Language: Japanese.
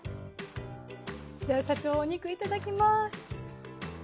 じゃあ社長お肉いただきます。